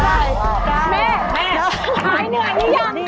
หายเหนื่อนกันอย่างไร